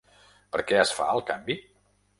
Per què es fa el canvi?